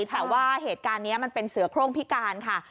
แต่ว่าเหตุการณ์นี้มันเป็นเสือโครงพิการค่ะ